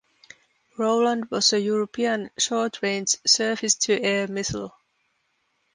Roland was a European short-range surface-to-air missile.